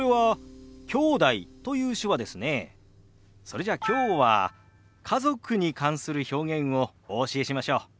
それじゃあきょうは家族に関する表現をお教えしましょう。